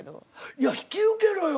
いや引き受けろよ！